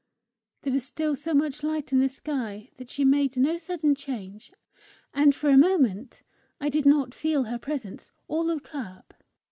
There was still so much light in the sky that she made no sudden change, and for a moment I did not feel her presence or look up.